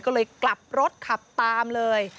ก็เลยกลับรถขับตามเลย